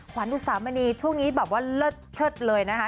ขวานดูซาบรรดีช่วงนี้แบบว่าเลิศช็อตเลยนะคะ